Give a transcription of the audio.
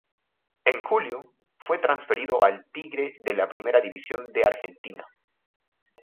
En julio, fue transferido al Tigre de la Primera División de Argentina.